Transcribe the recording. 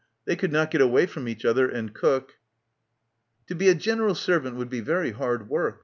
... They could not get away from each other, and cook. ... To be a general servant would be very hard work.